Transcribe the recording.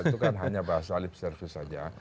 itu kan hanya bahasa lip service saja